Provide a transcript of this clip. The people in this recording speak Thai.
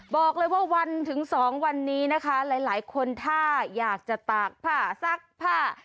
บอกเลยว่าวันถึง๒วันนี้นะคะหลายคนถ้าอยากจะตากผ้าซักผ้า